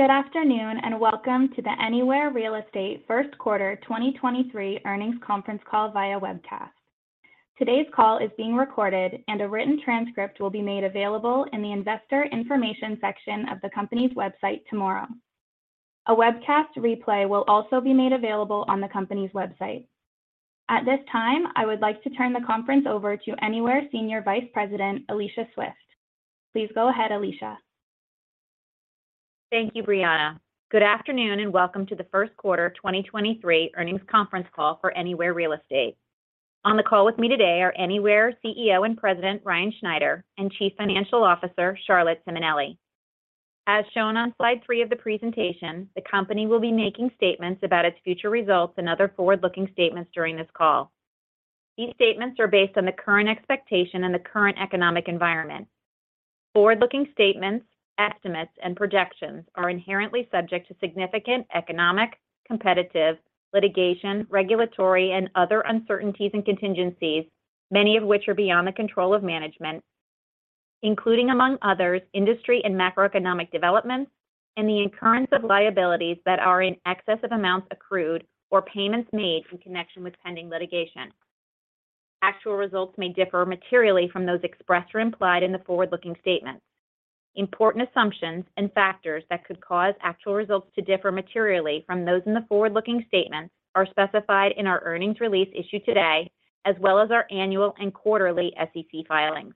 Good afternoon, and welcome to the Anywhere Real Estate first quarter 2023 earnings conference call via webcast. Today's call is being recorded, and a written transcript will be made available in the investor information section of the company's website tomorrow. A webcast replay will also be made available on the company's website. At this time, I would like to turn the conference over to Anywhere Senior Vice President, Alicia Swift. Please go ahead, Alicia. Thank you, Brianna. Good afternoon, and welcome to the first quarter 2023 earnings conference call for Anywhere Real Estate. On the call with me today are Anywhere CEO and President, Ryan Schneider, and Chief Financial Officer, Charlotte Simonelli. As shown on slide 3 of the presentation, the company will be making statements about its future results and other forward-looking statements during this call. These statements are based on the current expectation and the current economic environment. Forward-looking statements, estimates, and projections are inherently subject to significant economic, competitive, litigation, regulatory, and other uncertainties and contingencies, many of which are beyond the control of management, including, among others, industry and macroeconomic developments and the incurrence of liabilities that are in excess of amounts accrued or payments made in connection with pending litigation. Actual results may differ materially from those expressed or implied in the forward-looking statements. Important assumptions and factors that could cause actual results to differ materially from those in the forward-looking statements are specified in our earnings release issued today, as well as our annual and quarterly SEC filings.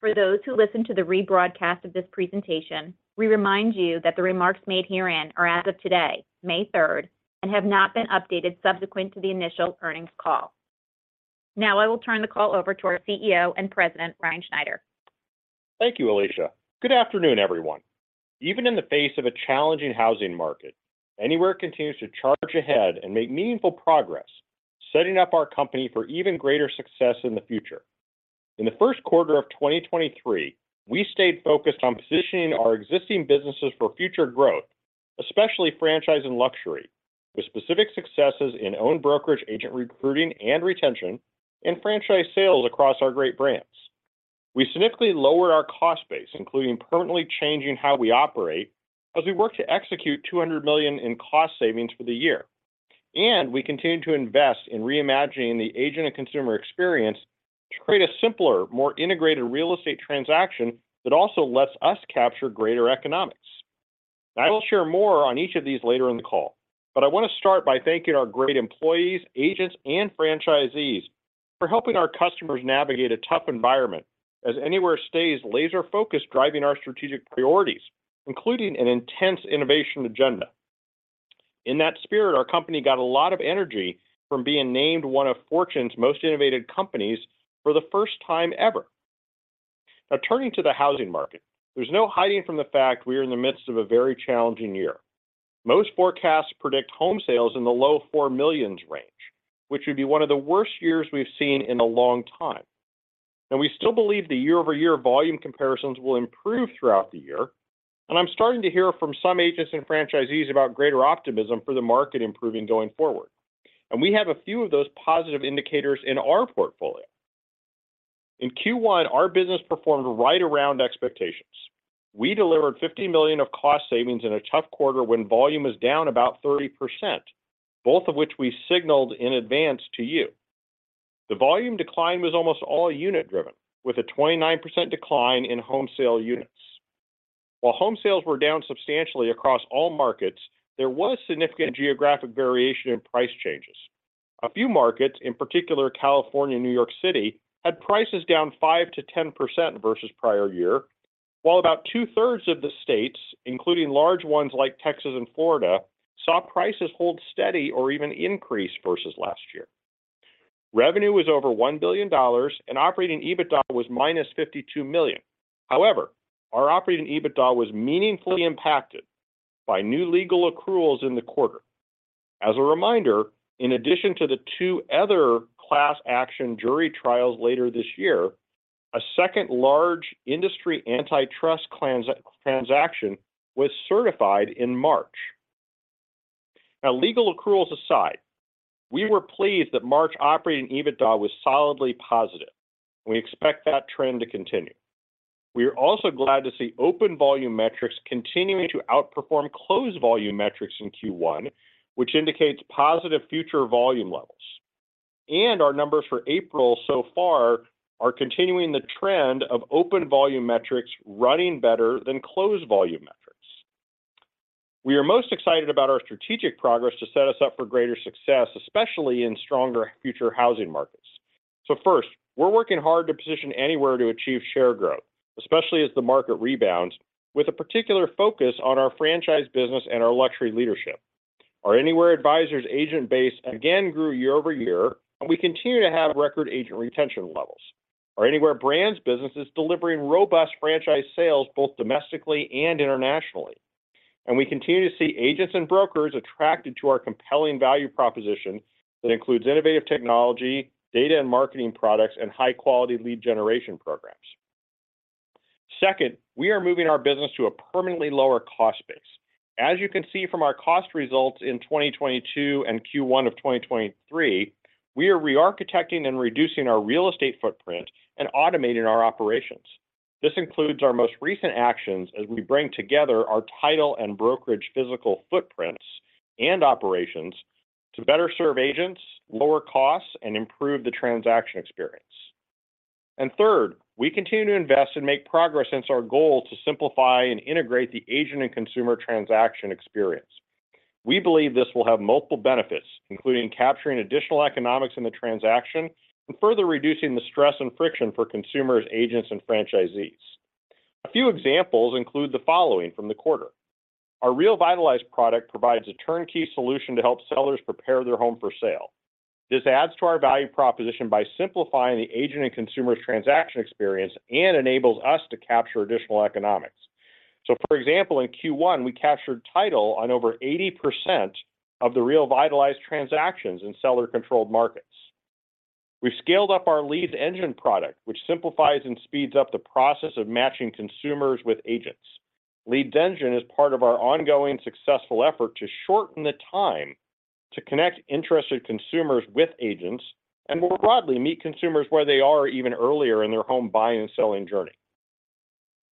For those who listen to the rebroadcast of this presentation, we remind you that the remarks made herein are as of today, May 3rd, and have not been updated subsequent to the initial earnings call. I will turn the call over to our CEO and President, Ryan Schneider. Thank you, Alicia. Good afternoon, everyone. Even in the face of a challenging housing market, Anywhere continues to charge ahead and make meaningful progress, setting up our company for even greater success in the future. In the first quarter of 2023, we stayed focused on positioning our existing businesses for future growth, especially Anywhere Brands and luxury, with specific successes in Anywhere Advisors agent recruiting and retention and Anywhere Brands sales across our great brands. We significantly lowered our cost base, including permanently changing how we operate as we work to execute $200 million in cost savings for the year. We continue to invest in reimagining the agent and consumer experience to create a simpler, more integrated real estate transaction that also lets us capture greater economics. I will share more on each of these later in the call. I want to start by thanking our great employees, agents, and franchisees for helping our customers navigate a tough environment as Anywhere stays laser-focused driving our strategic priorities, including an intense innovation agenda. In that spirit, our company got a lot of energy from being named one of Fortune's most innovative companies for the first time ever. Turning to the housing market, there is no hiding from the fact we are in the midst of a very challenging year. Most forecasts predict home sales in the low 4 million range, which would be one of the worst years we have seen in a long time. We still believe the year-over-year volume comparisons will improve throughout the year. I am starting to hear from some agents and franchisees about greater optimism for the market improving going forward. We have a few of those positive indicators in our portfolio. In Q1, our business performed right around expectations. We delivered $50 million of cost savings in a tough quarter when volume was down about 30%, both of which we signaled in advance to you. The volume decline was almost all unit-driven, with a 29% decline in home sale units. While home sales were down substantially across all markets, there was significant geographic variation in price changes. A few markets, in particular, California and New York City, had prices down 5%-10% versus prior year, while about two-thirds of the states, including large ones like Texas and Florida, saw prices hold steady or even increase versus last year. Revenue was over $1 billion, and operating EBITDA was -$52 million. However, our operating EBITDA was meaningfully impacted by new legal accruals in the quarter. As a reminder, in addition to the 2 other class action jury trials later this year, a second large industry antitrust transaction was certified in March. Legal accruals aside, we were pleased that March operating EBITDA was solidly positive. We expect that trend to continue. We are also glad to see open volume metrics continuing to outperform closed volume metrics in Q1, which indicates positive future volume levels. Our numbers for April so far are continuing the trend of open volume metrics running better than closed volume metrics. We are most excited about our strategic progress to set us up for greater success, especially in stronger future housing markets. First, we're working hard to position Anywhere to achieve share growth, especially as the market rebounds, with a particular focus on our franchise business and our luxury leadership. Our Anywhere Advisors agent base again grew year-over-year, we continue to have record agent retention levels. Our Anywhere Brands business is delivering robust franchise sales, both domestically and internationally. We continue to see agents and brokers attracted to our compelling value proposition that includes innovative technology, data and marketing products, and high-quality lead generation programs. Second, we are moving our business to a permanently lower cost base. As you can see from our cost results in 2022 and Q1 of 2023. We are re-architecting and reducing our real estate footprint and automating our operations. This includes our most recent actions as we bring together our title and brokerage physical footprints and operations to better serve agents, lower costs, and improve the transaction experience. Third, we continue to invest and make progress since our goal to simplify and integrate the agent and consumer transaction experience. We believe this will have multiple benefits, including capturing additional economics in the transaction and further reducing the stress and friction for consumers, agents, and franchisees. A few examples include the following from the quarter. Our RealVitalize product provides a turnkey solution to help sellers prepare their home for sale. This adds to our value proposition by simplifying the agent and consumer transaction experience and enables us to capture additional economics. For example, in Q1, we captured title on over 80% of the RealVitalize transactions in seller-controlled markets. We've scaled up our Leads Engine product, which simplifies and speeds up the process of matching consumers with agents. Leads Engine is part of our ongoing successful effort to shorten the time to connect interested consumers with agents and more broadly, meet consumers where they are even earlier in their home buying and selling journey.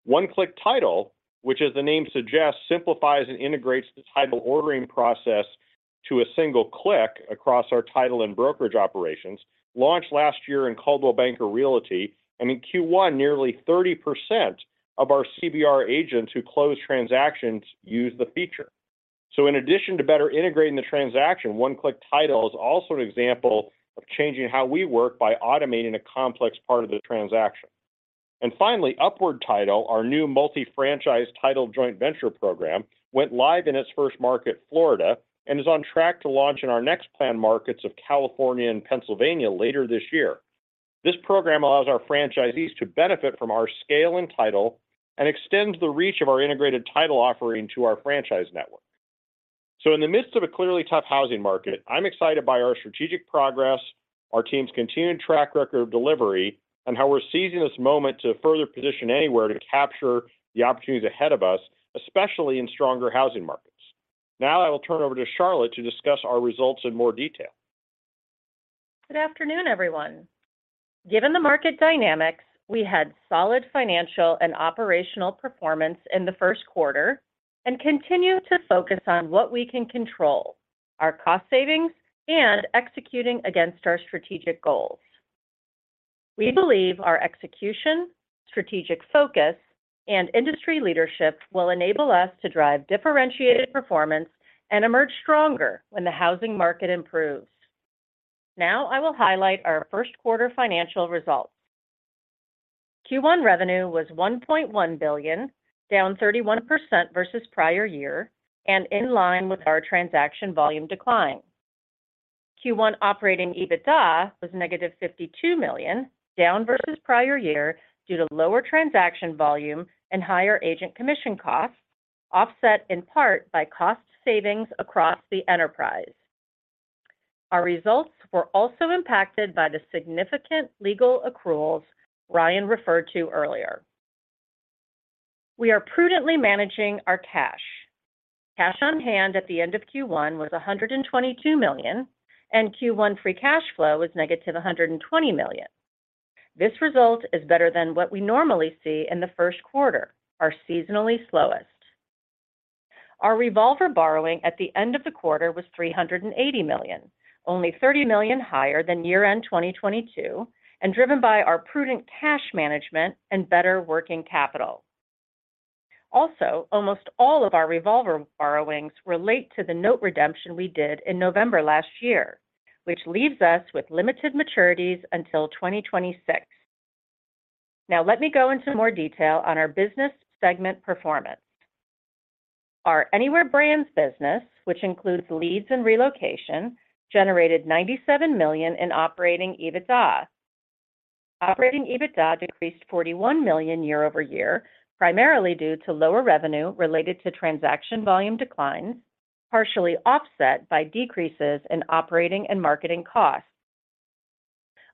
One-Click title, which, as the name suggests, simplifies and integrates the title ordering process to a single click across our title and brokerage operations, launched last year in Coldwell Banker Realty, and in Q1, nearly 30% of our CBR agents who close transactions use the feature. In addition to better integrating the transaction, One-Click Title is also an example of changing how we work by automating a complex part of the transaction. Finally, Upward Title, our new multi-franchise title joint venture program, went live in its first market, Florida, and is on track to launch in our next planned markets of California and Pennsylvania later this year. This program allows our franchisees to benefit from our scale and title and extends the reach of our integrated title offering to our franchise network. In the midst of a clearly tough housing market, I'm excited by our strategic progress, our team's continued track record of delivery, and how we're seizing this moment to further position Anywhere to capture the opportunities ahead of us, especially in stronger housing markets. I will turn it over to Charlotte to discuss our results in more detail. Good afternoon, everyone. Given the market dynamics, we had solid financial and operational performance in the first quarter and continue to focus on what we can control, our cost savings, and executing against our strategic goals. We believe our execution, strategic focus, and industry leadership will enable us to drive differentiated performance and emerge stronger when the housing market improves. Now I will highlight our first quarter financial results. Q1 revenue was $1.1 billion, down 31% versus prior year and in line with our transaction volume decline. Q1 operating EBITDA was negative $52 million, down versus prior year due to lower transaction volume and higher agent commission costs, offset in part by cost savings across the enterprise. Our results were also impacted by the significant legal accruals Ryan referred to earlier. We are prudently managing our cash. Cash on hand at the end of Q1 was $122 million. Q1 free cash flow was negative $120 million. This result is better than what we normally see in the first quarter, our seasonally slowest. Our revolver borrowing at the end of the quarter was $380 million, only $30 million higher than year-end 2022 and driven by our prudent cash management and better working capital. Almost all of our revolver borrowings relate to the note redemption we did in November last year, which leaves us with limited maturities until 2026. Let me go into more detail on our business segment performance. Our Anywhere Brands business, which includes leads and relocation, generated $97 million in operating EBITDA. Operating EBITDA decreased $41 million year-over-year, primarily due to lower revenue related to transaction volume declines, partially offset by decreases in operating and marketing costs.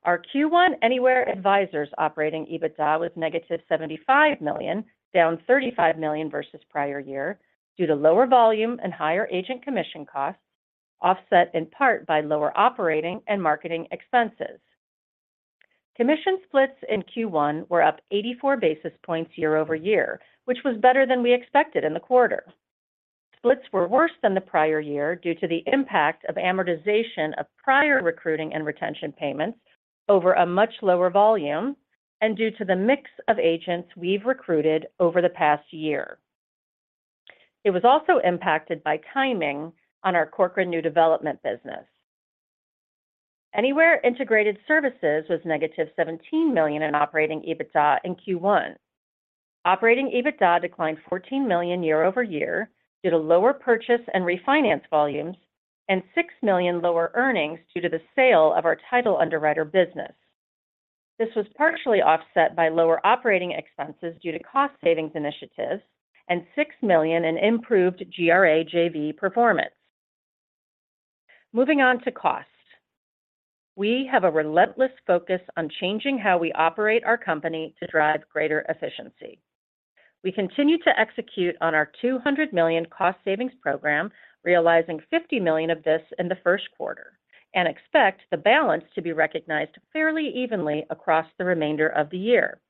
Our Q1 Anywhere Advisors operating EBITDA was -$75 million, down $35 million versus prior year due to lower volume and higher agent commission costs, offset in part by lower operating and marketing expenses. Commission splits in Q1 were up 84 basis points year-over-year, which was better than we expected in the quarter. Splits were worse than the prior year due to the impact of amortization of prior recruiting and retention payments over a much lower volume and due to the mix of agents we've recruited over the past year. It was also impacted by timing on our Corcoran new development business. Anywhere Integrated Services was -$17 million in operating EBITDA in Q1. Operating EBITDA declined $14 million year-over-year due to lower purchase and refinance volumes and $6 million lower earnings due to the sale of our title underwriter business. This was partially offset by lower operating expenses due to cost savings initiatives and $6 million in improved GRA JV performance. Moving on to costs. We have a relentless focus on changing how we operate our company to drive greater efficiency. We continue to execute on our $200 million cost savings program, realizing $50 million of this in the first quarter, and expect the balance to be recognized fairly evenly across the remainder of the year.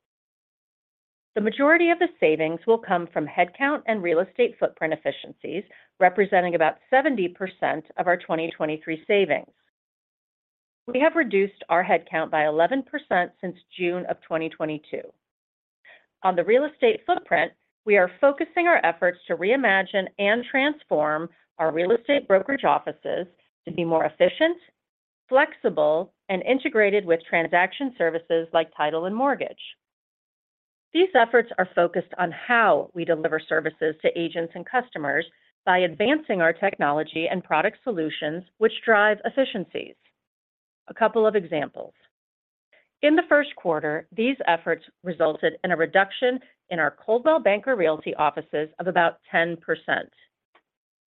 The majority of the savings will come from headcount and real estate footprint efficiencies, representing about 70% of our 2023 savings. We have reduced our headcount by 11% since June of 2022. On the real estate footprint, we are focusing our efforts to reimagine and transform our real estate brokerage offices to be more efficient, flexible, and integrated with transaction services like title and mortgage. These efforts are focused on how we deliver services to agents and customers by advancing our technology and product solutions, which drive efficiencies. A couple of examples. In the first quarter, these efforts resulted in a reduction in our Coldwell Banker Realty offices of about 10%.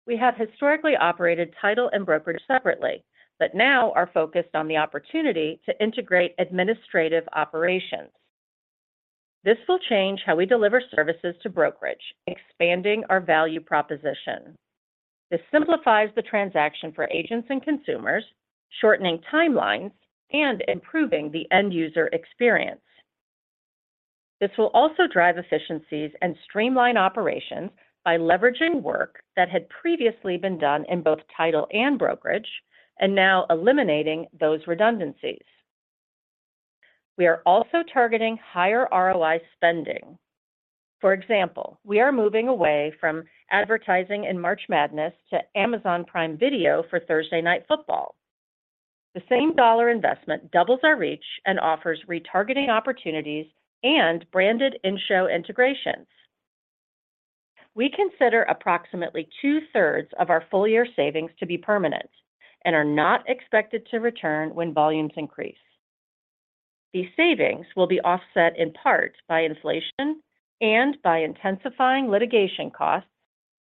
We have historically operated title and brokerage separately, but now are focused on the opportunity to integrate administrative operations. This will change how we deliver services to brokerage, expanding our value proposition. This simplifies the transaction for agents and consumers, shortening timelines and improving the end user experience. This will also drive efficiencies and streamline operations by leveraging work that had previously been done in both title and brokerage, and now eliminating those redundancies. We are also targeting higher ROI spending. For example, we are moving away from advertising in March Madness to Amazon Prime Video for Thursday Night Football. The same dollar investment doubles our reach and offers retargeting opportunities and branded in-show integrations. We consider approximately two-thirds of our full year savings to be permanent and are not expected to return when volumes increase. These savings will be offset in part by inflation and by intensifying litigation costs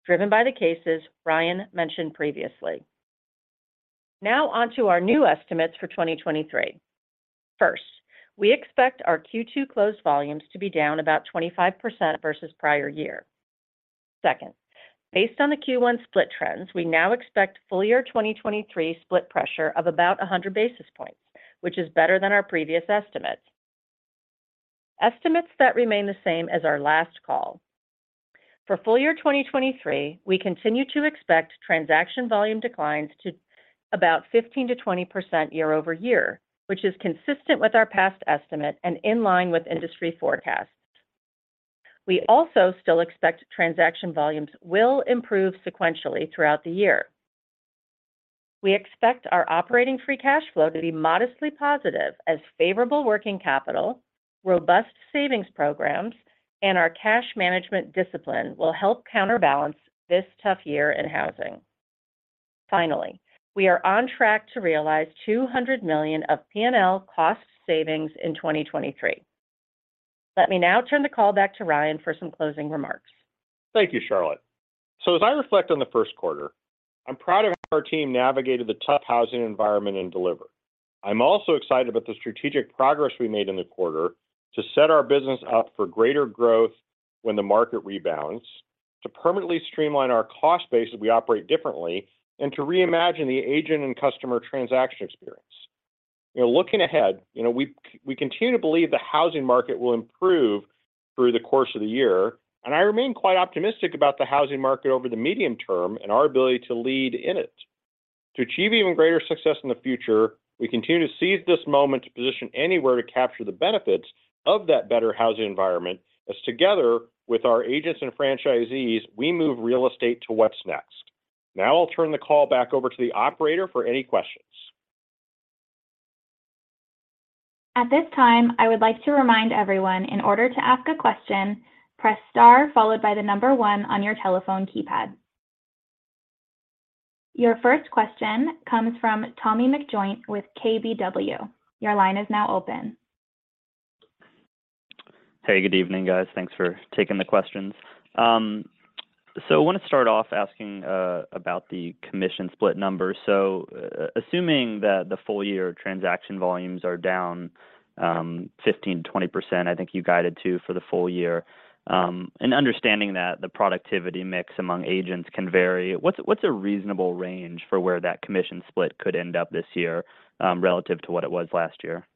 driven by the cases Ryan mentioned previously. On to our new estimates for 2023. First, we expect our Q2 close volumes to be down about 25% versus prior year. Based on the Q1 split trends, we now expect full year 2023 split pressure of about 100 basis points, which is better than our previous estimates. Estimates that remain the same as our last call. For full year 2023, we continue to expect transaction volume declines to about 15%-20% year-over-year, which is consistent with our past estimate and in line with industry forecasts. We also still expect transaction volumes will improve sequentially throughout the year. We expect our operating free cash flow to be modestly positive as favorable working capital, robust savings programs, and our cash management discipline will help counterbalance this tough year in housing. We are on track to realize $200 million of P&L cost savings in 2023. Let me now turn the call back to Ryan for some closing remarks. Thank you, Charlotte. As I reflect on the first quarter, I'm proud of how our team navigated the tough housing environment and delivered. I'm also excited about the strategic progress we made in the quarter to set our business up for greater growth when the market rebounds, to permanently streamline our cost base as we operate differently, and to reimagine the agent and customer transaction experience. You know, looking ahead, you know, we continue to believe the housing market will improve through the course of the year, and I remain quite optimistic about the housing market over the medium term and our ability to lead in it. To achieve even greater success in the future, we continue to seize this moment to position Anywhere to capture the benefits of that better housing environment as together with our agents and franchisees, we move real estate to what's next. Now I'll turn the call back over to the operator for any questions. At this time, I would like to remind everyone in order to ask a question, press star followed by the number one on your telephone keypad. Your first question comes from Tommy McJoynt with KBW. Your line is now open. Hey, good evening, guys. Thanks for taking the questions. I want to start off asking about the commission split numbers. Assuming that the full year transaction volumes are down 15%-20%, I think you guided to for the full year, and understanding that the productivity mix among agents can vary, what's a reasonable range for where that commission split could end up this year, relative to what it was last year?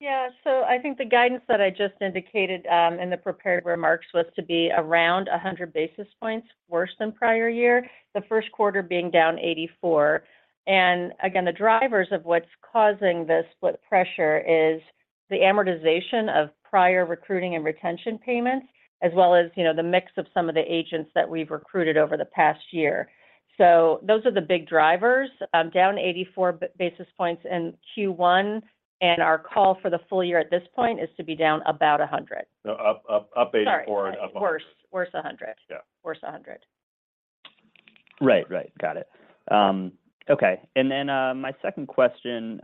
Yeah. I think the guidance that I just indicated in the prepared remarks was to be around 100 basis points worse than prior year, the first quarter being down 84. Again, the drivers of what's causing the split pressure is the amortization of prior recruiting and retention payments, as well as, you know, the mix of some of the agents that we've recruited over the past year. Those are the big drivers, down 84 basis points in Q1. Our call for the full year at this point is to be down about 100. No, up 84 and up 100. Sorry. Worse $100. Yeah. Worse $100. Right. Got it. Okay. My second question,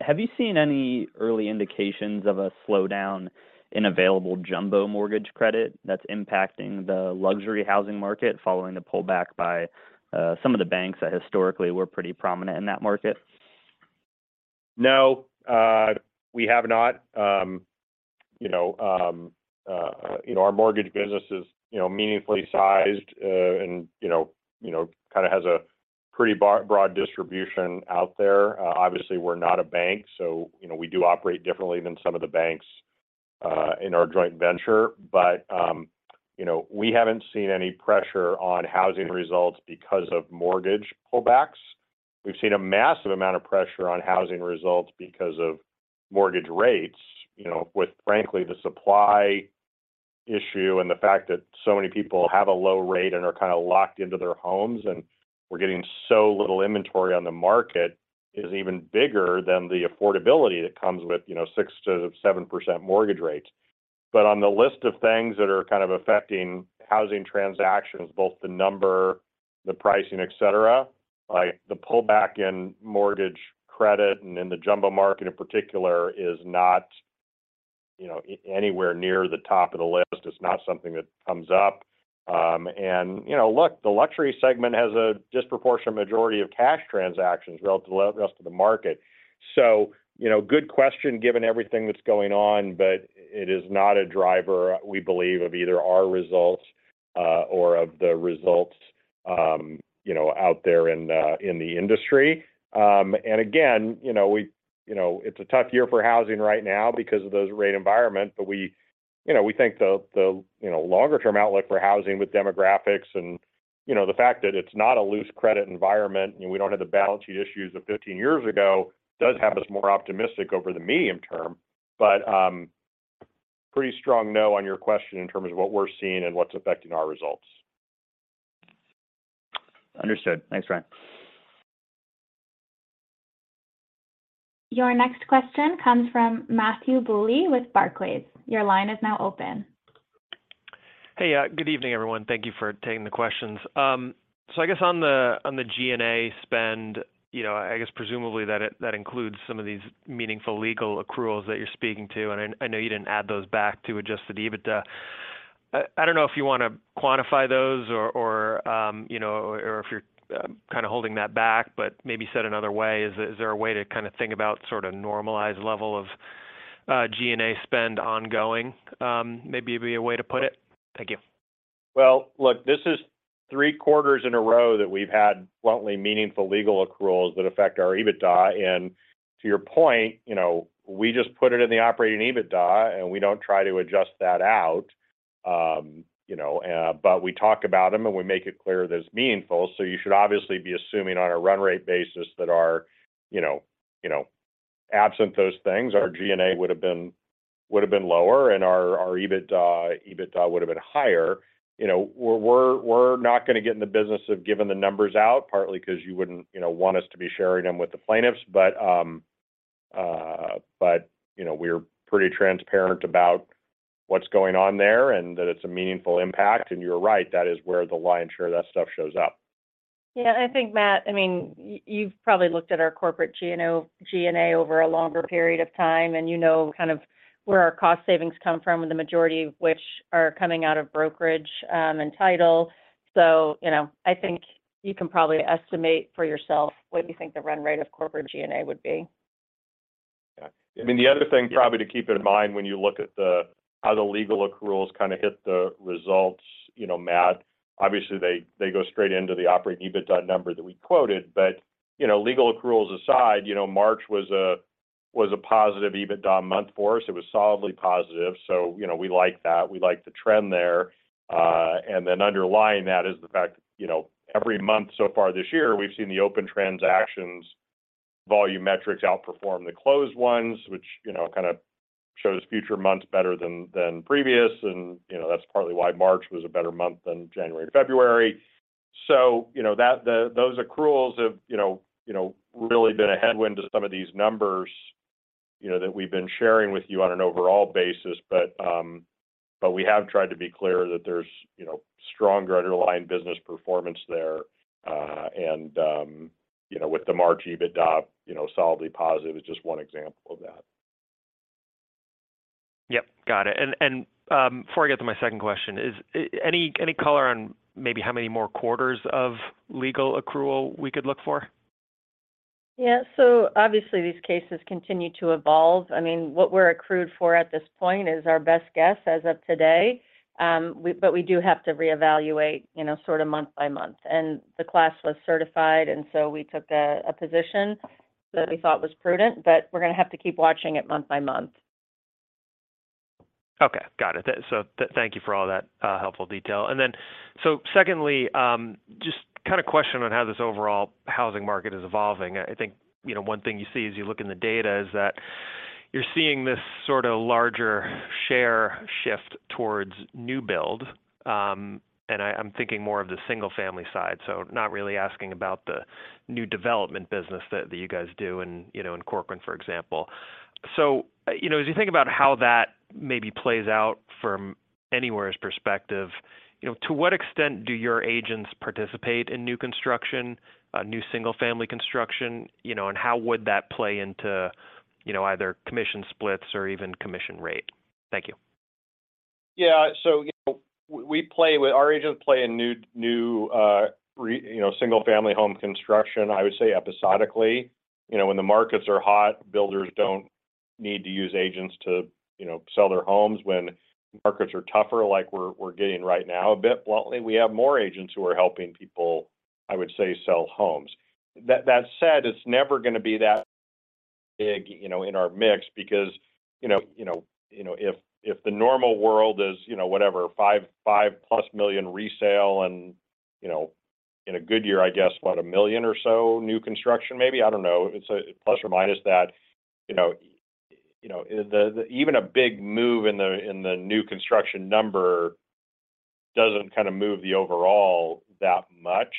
have you seen any early indications of a slowdown in available jumbo mortgage credit that's impacting the luxury housing market following the pullback by some of the banks that historically were pretty prominent in that market? No, we have not. You know, you know, our mortgage business is, you know, meaningfully sized, and you know, you know, kind of has a pretty broad distribution out there. Obviously, we're not a bank, so you know, we do operate differently than some of the banks, in our joint venture. You know, we haven't seen any pressure on housing results because of mortgage pullbacks. We've seen a massive amount of pressure on housing results because of mortgage rates, you know, with frankly the supply issue and the fact that so many people have a low rate and are kind of locked into their homes, and we're getting so little inventory on the market is even bigger than the affordability that comes with, you know, 6% to 7% mortgage rates. On the list of things that are kind of affecting housing transactions, both the number, the pricing, et cetera, like the pullback in mortgage credit and in the jumbo market in particular is not, you know, anywhere near the top of the list. It's not something that comes up. You know, look, the luxury segment has a disproportionate majority of cash transactions relative to the rest of the market. You know, good question, given everything that's going on, but it is not a driver we believe of either our results or of the results, you know, out there in the industry. Again, you know, it's a tough year for housing right now because of the rate environment. We, you know, we think the, you know, longer term outlook for housing with demographics and, you know, the fact that it's not a loose credit environment and we don't have the balance sheet issues of 15 years ago does have us more optimistic over the medium term. Pretty strong no on your question in terms of what we're seeing and what's affecting our results. Understood. Thanks, Ryan. Your next question comes from Matthew Bouley with Barclays. Your line is now open. Hey, good evening, everyone. Thank you for taking the questions. I guess on the G&A spend, you know, I guess presumably that includes some of these meaningful legal accruals that you're speaking to. I know you didn't add those back to Adjusted EBITDA. I don't know if you want to quantify those or, you know, or if you're kind of holding that back. Maybe said another way, is there a way to kind of think about sort of normalized level of G&A spend ongoing? Maybe it'd be a way to put it. Thank you. Well, look, this is three quarters in a row that we've had bluntly meaningful legal accruals that affect our EBITDA. To your point, you know, we just put it in the operating EBITDA, and we don't try to adjust that out. You know, we talk about them, and we make it clear that it's meaningful. You should obviously be assuming on a run rate basis that our, you know, absent those things, our G&A would have been lower and our EBITDA would have been higher. You know, we're not going to get in the business of giving the numbers out, partly 'cause you wouldn't, you know, want us to be sharing them with the plaintiffs. You know, we're pretty transparent about what's going on there and that it's a meaningful impact. You're right, that is where the lion's share of that stuff shows up. Yeah. I think, Matt, I mean, you've probably looked at our corporate G&A over a longer period of time, and you know kind of where our cost savings come from, the majority of which are coming out of brokerage, and title. you know, I think you can probably estimate for yourself what you think the run rate of corporate G&A would be. Yeah. I mean, the other thing probably to keep in mind when you look at the, how the legal accruals kind of hit the results, you know, Matt, obviously they go straight into the operating EBITDA number that we quoted. You know, legal accruals aside, you know, March was a, was a positive EBITDA month for us. It was solidly positive. You know, we like that. We like the trend there. Underlying that is the fact that, you know, every month so far this year, we've seen the open transactions volume metrics outperform the closed ones, which, you know, kind of shows future months better than previous. You know, that's partly why March was a better month than January, February. You know, those accruals have, you know, really been a headwind to some of these numbers, you know, that we've been sharing with you on an overall basis. We have tried to be clear that there's, you know, stronger underlying business performance there. You know, with the March EBITDA, you know, solidly positive is just one example of that. Yep. Got it. Before I get to my second question, is any color on maybe how many more quarters of legal accrual we could look for? Obviously, these cases continue to evolve. I mean, what we're accrued for at this point is our best guess as of today. We do have to reevaluate, you know, sort of month by month. The class was certified, and so we took a position that we thought was prudent. We're gonna have to keep watching it month by month. Okay. Got it. So thank you for all that helpful detail. Secondly, just kind of question on how this overall housing market is evolving. I think, you know, 1 thing you see as you look in the data is that you're seeing this sort of larger share shift towards new build. And I'm thinking more of the single-family side, so not really asking about the new development business that you guys do in, you know, in Corcoran, for example. As you think about how that maybe plays out from Anywhere's perspective, you know, to what extent do your agents participate in new construction, new single-family construction, you know, and how would that play into, you know, either commission splits or even commission rate? Thank you. Yeah. You know, our agents play in new, you know, single-family home construction, I would say episodically. You know, when the markets are hot, builders don't need to use agents to, you know, sell their homes. When markets are tougher, like we're getting right now a bit bluntly, we have more agents who are helping people, I would say, sell homes. That said, it's never gonna be that big, you know, in our mix because, you know, if the normal world is, you know, whatever, 5-plus million resale and, you know, in a good year, I guess, what? 1 million or so new construction maybe. I don't know. It's plus or minus that. You know, the... Even a big move in the new construction number doesn't kinda move the overall that much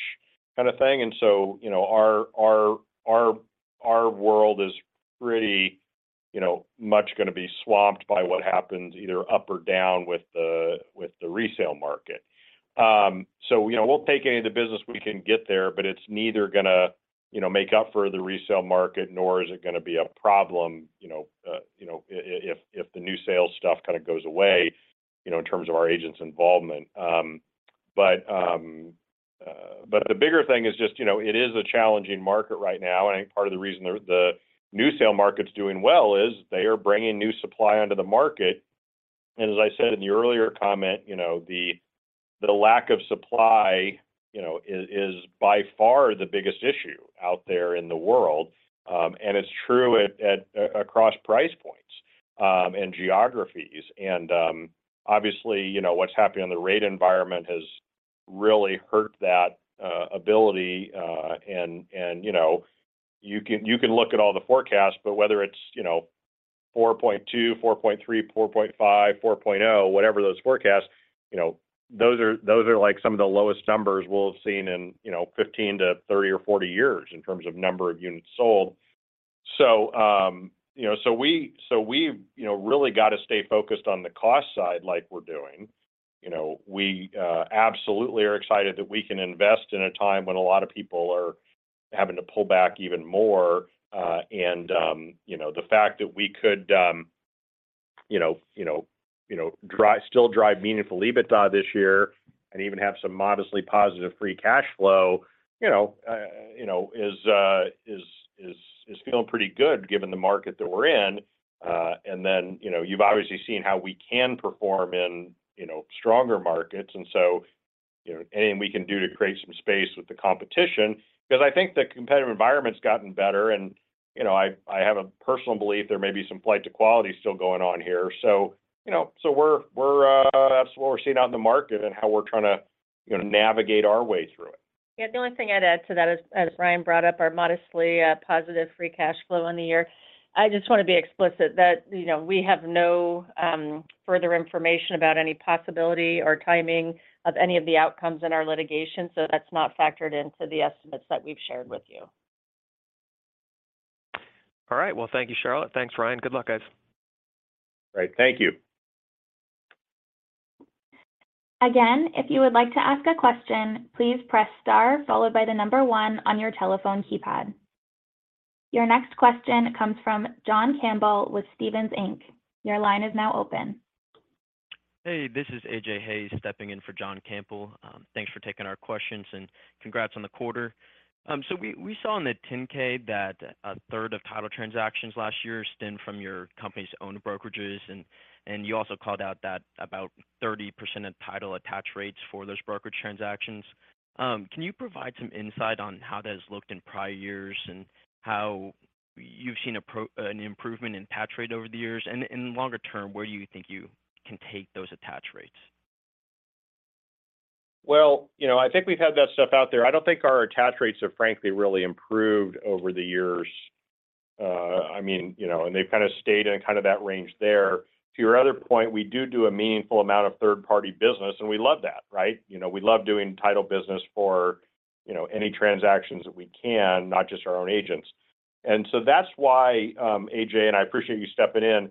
kind of thing. You know, our world is pretty, you know, much gonna be swamped by what happens either up or down with the resale market. You know, we'll take any of the business we can get there, but it's neither gonna, you know, make up for the resale market, nor is it gonna be a problem, you know, if the new sales stuff kinda goes away, you know, in terms of our agents' involvement. The bigger thing is just, you know, it is a challenging market right now, and I think part of the reason the new sale market's doing well is they are bringing new supply onto the market. As I said in the earlier comment, you know, the lack of supply, you know, is by far the biggest issue out there in the world. It's true at across price points and geographies. Obviously, you know, what's happening on the rate environment has really hurt that ability. And, you know, you can look at all the forecasts, but whether it's, you know, 4.2, 4.3, 4.5, 4.0, whatever those forecasts, you know, those are, those are like some of the lowest numbers we'll have seen in, you know, 15 to 30 or 40 years in terms of number of units sold. You know, so we've, you know, really gotta stay focused on the cost side like we're doing. You know, we absolutely are excited that we can invest in a time when a lot of people are having to pull back even more. You know, the fact that we could still drive meaningful EBITDA this year and even have some modestly positive free cash flow, you know, is feeling pretty good given the market that we're in. You know, you've obviously seen how we can perform in, you know, stronger markets. You know, anything we can do to create some space with the competition. 'Cause I think the competitive environment's gotten better, and, you know, I have a personal belief there may be some flight to quality still going on here. You know, that's what we're seeing out in the market and how we're trying to, you know, navigate our way through it. Yeah. The only thing I'd add to that is, as Ryan brought up, our modestly positive free cash flow in the year. I just wanna be explicit that, you know, we have no further information about any possibility or timing of any of the outcomes in our litigation, so that's not factored into the estimates that we've shared with you. All right. Well, thank you, Charlotte. Thanks, Ryan. Good luck, guys. Great. Thank you. If you would like to ask a question, please press star followed by the number one on your telephone keypad. Your next question comes from John Campbell with Stephens Inc. Your line is now open. Hey, this is AJ Hayes stepping in for John Campbell. Thanks for taking our questions, and congrats on the quarter. We saw in the 10-K that a third of title transactions last year stemmed from your company's own brokerages, and you also called out that about 30% of title attach rates for those brokerage transactions. Can you provide some insight on how that has looked in prior years and how you've seen an improvement in attach rate over the years? In longer term, where do you think you can take those attach rates? Well, you know, I think we've had that stuff out there. I don't think our attach rates have frankly really improved over the years. I mean, you know, and they've kinda stayed in kind of that range there. To your other point, we do a meaningful amount of third-party business, and we love that, right? You know, we love doing title business for, you know, any transactions that we can, not just our own agents. That's why, AJ, and I appreciate you stepping in,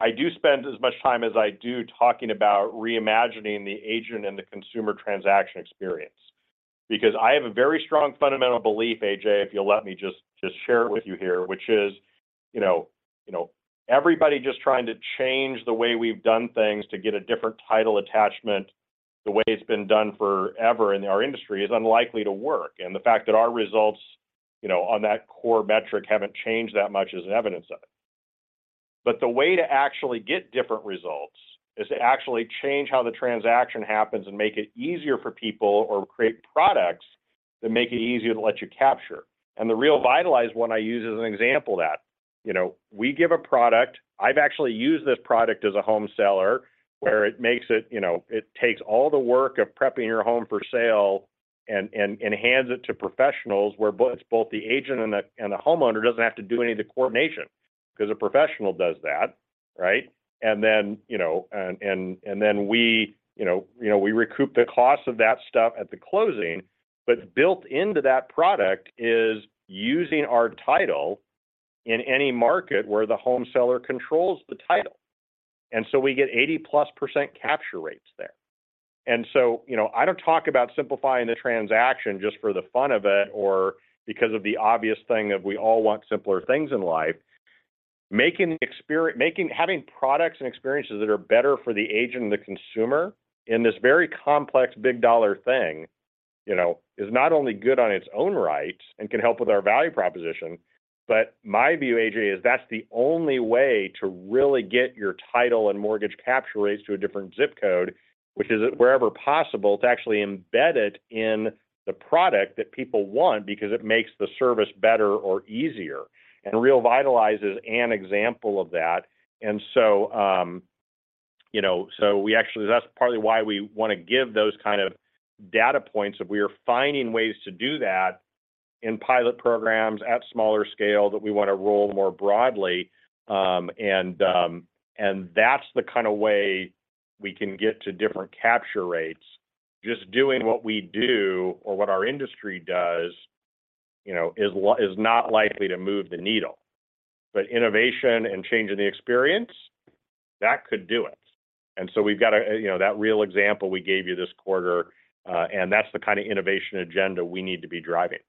I do spend as much time as I do talking about reimagining the agent and the consumer transaction experience. I have a very strong fundamental belief, AJ, if you'll let me just share it with you here, which is, you know, everybody just trying to change the way we've done things to get a different title attachment the way it's been done forever in our industry is unlikely to work. The fact that our results, you know, on that core metric haven't changed that much is an evidence of it. The way to actually get different results is to actually change how the transaction happens and make it easier for people or create products that make it easier to let you capture. The RealVitalize one I use as an example of that. You know, we give a product. I've actually used this product as a home seller, where it makes it, you know, it takes all the work of prepping your home for sale and hands it to professionals, where both the agent and the homeowner doesn't have to do any of the coordination, 'cause a professional does that, right? Then, you know, and then we, you know, we recoup the cost of that stuff at the closing. Built into that product is using our title in any market where the home seller controls the title. We get 80%+ capture rates there. You know, I don't talk about simplifying the transaction just for the fun of it or because of the obvious thing that we all want simpler things in life. Making having products and experiences that are better for the agent and the consumer in this very complex big dollar thing, you know, is not only good on its own right and can help with our value proposition, but my view, AJ, is that's the only way to really get your title and mortgage capture rates to a different zip code, which is wherever possible to actually embed it in the product that people want because it makes the service better or easier. RealVitalize is an example of that. You know, so we actually that's partly why we wanna give those kind of data points, that we are finding ways to do that in pilot programs at smaller scale that we wanna roll more broadly. That's the kinda way we can get to different capture rates. Just doing what we do or what our industry does, you know, is not likely to move the needle. Innovation and changing the experience, that could do it. We've got a, you know, that Real example we gave you this quarter, and that's the kind of innovation agenda we need to be driving.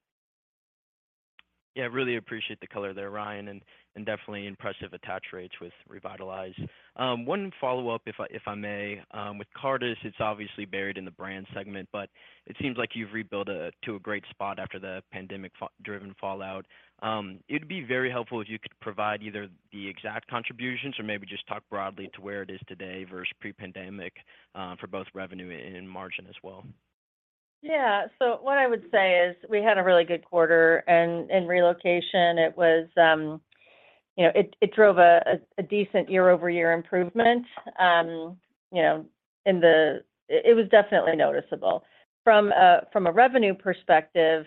Yeah, really appreciate the color there, Ryan, and definitely impressive attach rates with RealVitalize. One follow-up if I may. With Cartus, it's obviously buried in the brand segment, but it seems like you've rebuilt to a great spot after the pandemic-driven fallout. It'd be very helpful if you could provide either the exact contributions or maybe just talk broadly to where it is today versus pre-pandemic, for both revenue and margin as well. What I would say is we had a really good quarter and in relocation it was, you know, it drove a decent year-over-year improvement. You know, it was definitely noticeable. From a revenue perspective,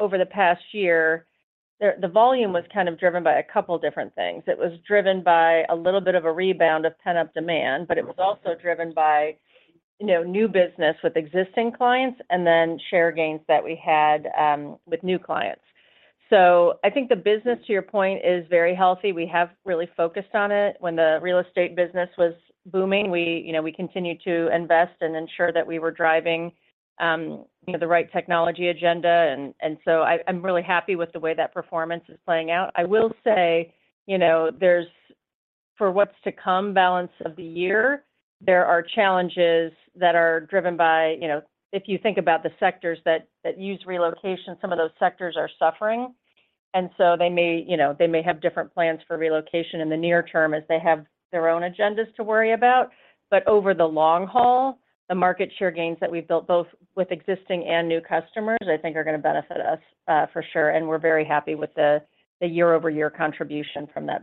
over the past year, the volume was kind of driven by a couple different things. It was driven by a little bit of a rebound of pent-up demand, but it was also driven by, you know, new business with existing clients and then share gains that we had with new clients. I think the business, to your point, is very healthy. We have really focused on it. When the real estate business was booming, we, you know, we continued to invest and ensure that we were driving, you know, the right technology agenda. I'm really happy with the way that performance is playing out. I will say, you know, for what's to come balance of the year, there are challenges that are driven by, you know, if you think about the sectors that use relocation, some of those sectors are suffering, and so they may, you know, they may have different plans for relocation in the near term as they have their own agendas to worry about. Over the long haul, the market share gains that we've built, both with existing and new customers, I think are gonna benefit us for sure, and we're very happy with the year-over-year contribution from that business.